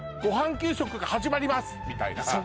給食が始まりますみたいなそう